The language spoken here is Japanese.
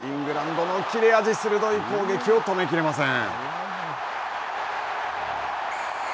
イングランドの切れ味鋭い攻撃を止め切れません。